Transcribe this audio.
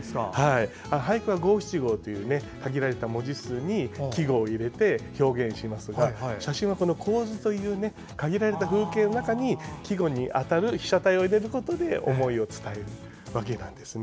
俳句は五七五という限られた中に季語を入れて表現しますが写真は構図という限られた風景の中に季語に当たる被写体を入れることで思いを伝えるんですね。